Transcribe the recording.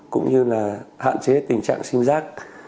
cũng như là hạn chế tình trạng sinh giác